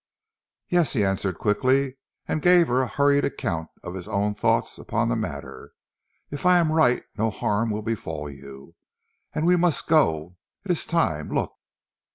"Yes," he answered quickly, and gave her a hurried account of his own thought upon the matter. "If I am right no harm will befall you. And we must go. It is time. Look!"